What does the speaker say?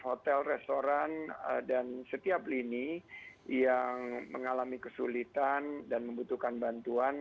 hotel restoran dan setiap lini yang mengalami kesulitan dan membutuhkan bantuan